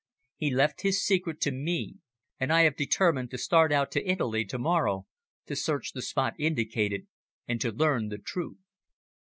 "He left his secret to me, and I have determined to start out to Italy to morrow to search the spot indicated, and to learn the truth."